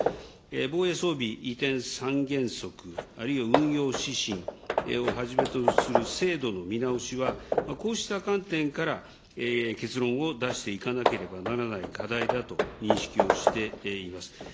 防衛装備移転三原則、あるいは運用指針をはじめとする制度の見直しは、こうした観点から結論を出していかなければならない課題だと認識をしています。